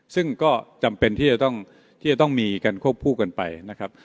ซึ่งก็จำเป็นที่จะต้องที่จะต้องมีกันควบคู่กันไปนะครับ